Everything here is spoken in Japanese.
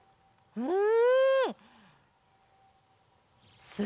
うん。